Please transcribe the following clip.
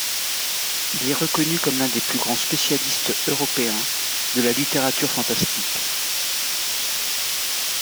Il est reconnu comme l'un des plus grands spécialistes européens de la littérature fantastique.